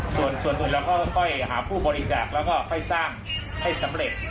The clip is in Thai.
ส่วนอื่นเราก็ค่อยหาผู้บริจาคแล้วก็ค่อยสร้างให้สำเร็จ